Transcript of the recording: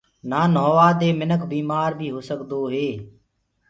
نآ نهووآدي مِنک بيٚمآر بيٚ هو سگدوئي